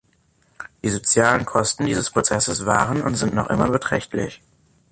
Die sozialen Kosten dieses Prozesses waren und sind noch immer beträchtlich.